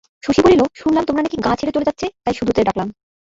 শশী বলিল, শুনলাম তোমরা নাকি গাঁ ছেড়ে চলে যাচ্ছে, তাই শুধোতে ডাকলাম।